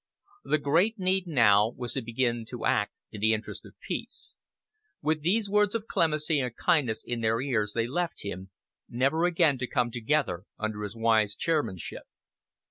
The great need now was to begin to act in the interest of peace. With these words of clemency and kindness in their ears they left him, never again to come together under his wise chairmanship.